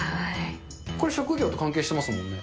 これ職業と関係してますもんね。